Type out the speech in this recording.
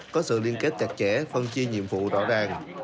có sự liên kết chặt chẽ phân chia nhiệm vụ rõ ràng